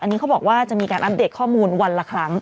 อันนี้เขาบอกว่าจะมีการอัปเดตข้อมูลวันละครั้ง